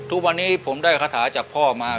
ทุกวันนี้ผมได้คาถาจากพ่อมา